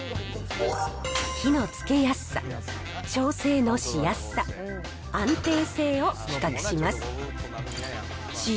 火のつけやすさ、調整のしやすさ、安定性を比較します。